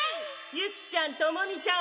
ユキちゃんトモミちゃん